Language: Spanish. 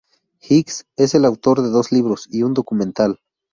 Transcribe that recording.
Hicks es el autor de dos libros y un documental.